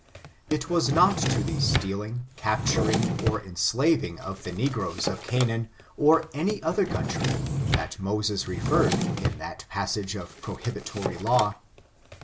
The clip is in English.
It was not to the pteaUng, capturing, or enslaving of the negroes of Ca naan, or any other country, that Moses referred, in that passage of prohibitory law.